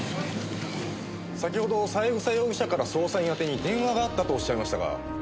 先ほど三枝容疑者から捜査員宛てに電話があったとおっしゃいましたが。